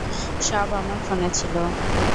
সব আমার ফোনে ছিল।